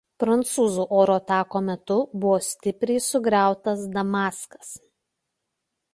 Prancūzų oro atakų metu buvo stipriai sugriautas Damaskas.